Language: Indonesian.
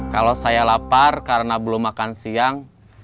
kalau saya lapar karena belum makan siang